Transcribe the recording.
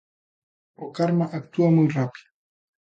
O karma actua moi rápido.